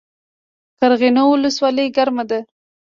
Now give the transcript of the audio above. قرغیو ولسوالۍ ګرمه ده؟